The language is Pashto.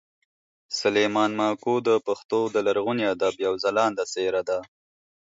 سلیمان ماکو د پښتو د لرغوني ادب یوه خلانده څېره ده